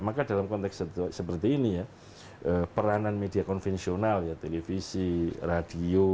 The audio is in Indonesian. maka dalam konteks seperti ini ya peranan media konvensional ya televisi radio